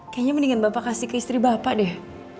kayaknya mendingan bapak kasih ke istri bapak deh